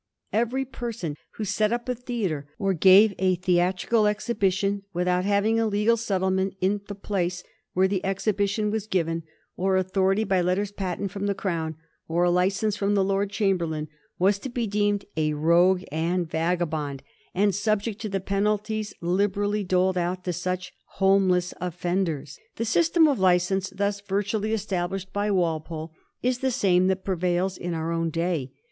Every person who set up a theatre, or gave a theatrical exhibition, without hav ing a legal settlement in the place where the exhibition was given, or authority by letters patent from the Crown, or a license from the Lord Chamberlain, was to be deemed a rogue and vagabond, and subject to the penalties liber ally doled out to such homeless offenders. The system of license thus virtually established by Walpole is the same that prevails in our own day.